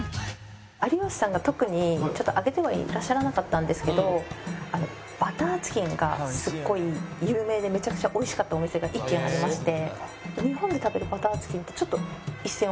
有吉さんが特に挙げてはいらっしゃらなかったんですけどバターチキンがすごい有名でめちゃくちゃ美味しかったお店が１軒ありまして。